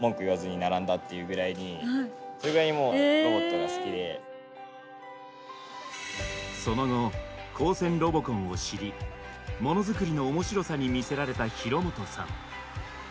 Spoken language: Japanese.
彼がその後高専ロボコンを知りものづくりの面白さに魅せられた廣本さん。